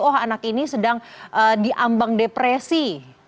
oh anak ini sedang diambang depresi